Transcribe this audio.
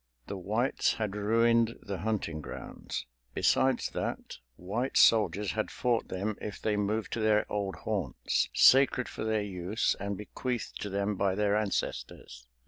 The Whites had ruined the hunting grounds; besides that, white soldiers had fought them if they moved to their old haunts, sacred for their use and bequeathed to them by their ancestors.